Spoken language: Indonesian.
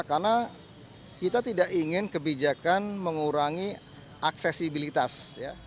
karena kita tidak ingin kebijakan mengurangi aksesibilitas